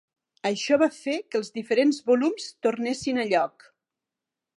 Això va fer que els diferents volums tornessin a lloc.